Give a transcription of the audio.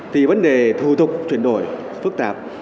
thì vấn đề thủ tục chuyển đổi phức tạp